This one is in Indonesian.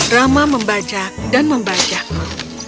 rama membajak dan membajakmu